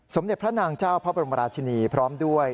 สมเด็จพระนางเจ้าพระบรมราชินีพร้อมด้วย